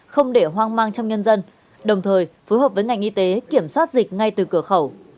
không để hoang mang trong nhân dân đồng thời phối hợp với ngành y tế kiểm soát dịch ngay từ cửa khẩu